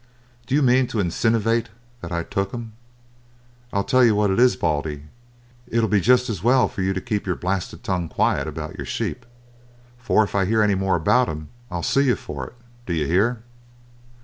"Do you mean to insinivate that I took 'em? I'll tell you what it is, Baldy; it'll be just as well for you to keep your blasted tongue quiet about your sheep, for if I hear any more about 'em, I'll see you for it; do you hear?"